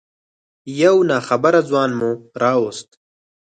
یو ناخبره ځوان مو راوست.